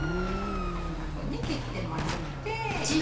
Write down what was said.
こんなふうに切ってもらって。